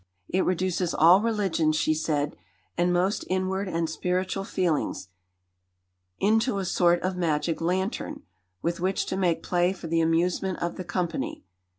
It reduces all religions, she said, and most inward and spiritual feelings "into a sort of magic lantern, with which to make play for the amusement of the company."